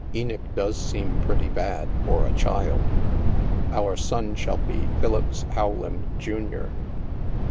Enoch does seem pretty bad, for a child. Our son shall be Philippse Rowland, Jimior."